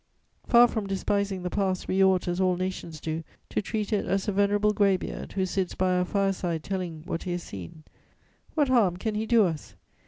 Far from despising the past, we ought, as all nations do, to treat it as a venerable greybeard, who sits by our fireside telling what he has seen: what harm can he do us?